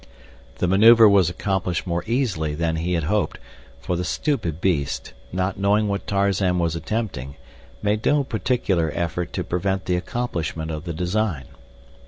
The maneuver was accomplished more easily than he had hoped, for the stupid beast, not knowing what Tarzan was attempting, made no particular effort to prevent the accomplishment of the design.